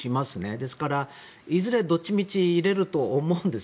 ですから、いずれどっちみちは入れると思うんですよ。